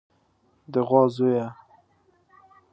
د غوا زويه.